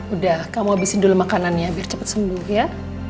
udah kamu habisin dulu makanannya biar cepat sembuh ya